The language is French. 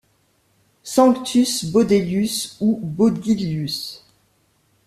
Sanctus Baudelius ou Baudilius.